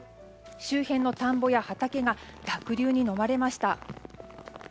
周辺の田んぼや畑が濁流にのまれました。